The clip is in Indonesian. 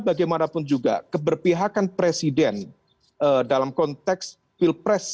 bagaimanapun juga keberpihakan presiden dalam konteks pilpres dua ribu dua puluh empat